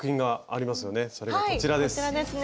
それがこちらです。